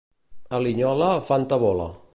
A Linyola fan tabola.